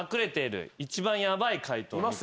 一番ヤバい解答。